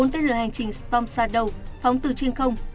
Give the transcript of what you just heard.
bốn tên lửa hành trình storm stardust phóng từ trên không